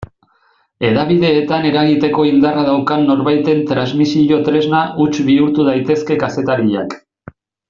Hedabideetan eragiteko indarra daukan norbaiten transmisio-tresna huts bihur daitezke kazetariak.